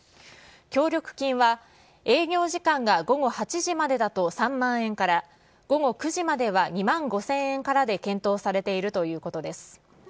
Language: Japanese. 協力金は営業時間が午後８時までだと３万円から、午後９時までは２万５０００円からで検討されているということです。